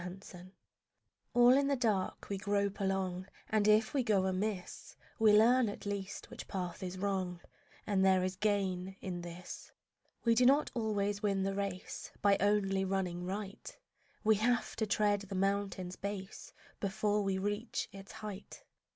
LIFE All in the dark we grope along, And if we go amiss We learn at least which path is wrong, And there is gain in this. We do not always win the race By only running right; We have to tread the mountain's base Before we reach its height.